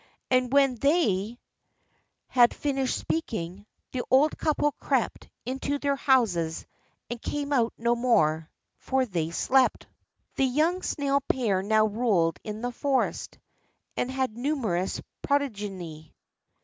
And when they had finished speaking, the old couple crept into their houses, and came out no more; for they slept. The young snail pair now ruled in the forest, and had a numerous progeny.